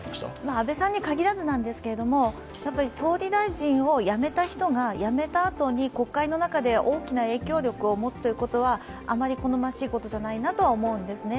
安倍さんに限らずなんですけども、総理大臣を辞めた人が辞めたあとに国会の中で大きな影響力を持つということはあまり好ましいことじゃないなとは思うんですね。